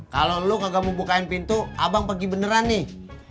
kalau lo gak kamu bukain pintu abang pergi beneran nih